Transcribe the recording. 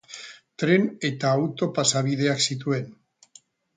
Tren eta auto pasabideak zituen.